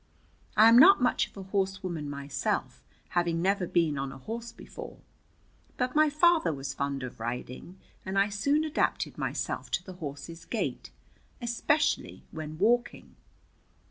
I am not much of a horsewoman myself, having never been on a horse before. But my father was fond of riding, and I soon adapted myself to the horse's gait, especially when walking.